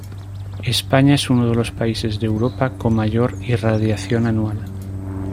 España es uno de los países de Europa con mayor irradiación anual.